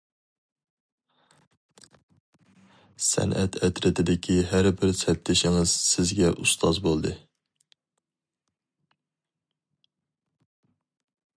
سەنئەت ئەترىتىدىكى ھەر بىر سەپدىشىڭىز سىزگە ئۇستاز بولدى.